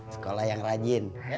sekolah yang rajin